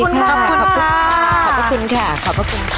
ขอบคุณค่ะ